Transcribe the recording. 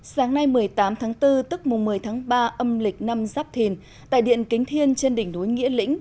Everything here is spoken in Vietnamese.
sáng nay một mươi tám tháng bốn tức mùng một mươi tháng ba âm lịch năm giáp thìn tại điện kính thiên trên đỉnh núi nghĩa lĩnh